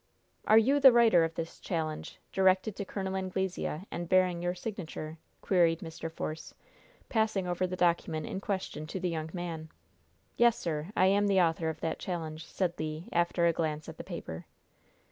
"Are you the writer of this challenge, directed to Col. Anglesea, and bearing your signature?" queried Mr. Force, passing over the document in question to the young man. "Yes, sir, I am the author of that challenge," said Le, after a glance at the paper.